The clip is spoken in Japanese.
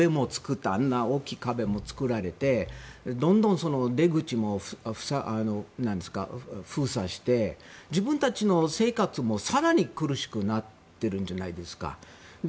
あんな大きい壁も造られてどんどん出口も封鎖して自分たちの生活も更に苦しくなってるじゃないですか。